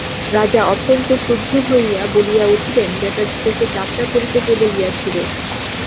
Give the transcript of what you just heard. রাজা অত্যন্ত ক্রুদ্ধ হইয়া বলিয়া উঠিলেন, বেটা তোকে যাত্রা করিতে কে বলিয়াছিল?